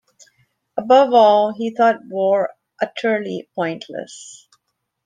Above all, he thought war utterly pointless.